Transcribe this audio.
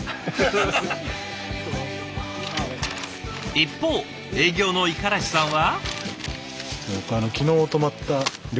一方営業の五十嵐さんは。